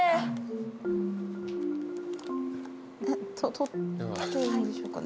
取っていいんでしょうかね？